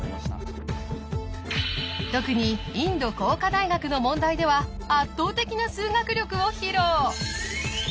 特にインド工科大学の問題では圧倒的な数学力を披露！